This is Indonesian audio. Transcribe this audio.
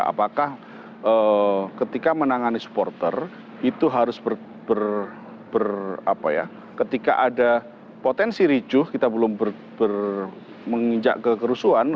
apakah ketika menangani supporter itu harus ber ketika ada potensi ricuh kita belum menginjak ke kerusuhan